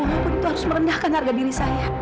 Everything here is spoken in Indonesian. walaupun itu harus merendahkan harga diri saya